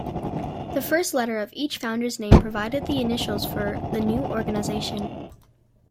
The first letter of each founder's name provided the initials for the new organization.